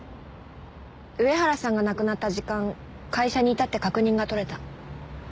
上原さんが亡くなった時間会社にいたって確認が取れた。